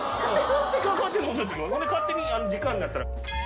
勝手に時間になったら。